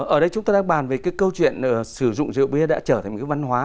ở đây chúng ta đang bàn về cái câu chuyện sử dụng rượu bia đã trở thành một cái văn hóa